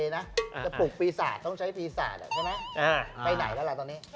จะปลุกปีศาจต้องใช้ปีศาจใช่ไหมไปไหนแล้วล่ะตอนนี้